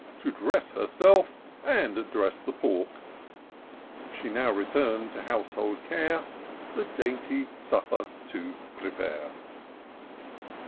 To dress herself, and dress the pork !" She now return'd to household care, The dainty supper to prepare.